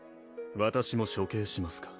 私も処刑しますか？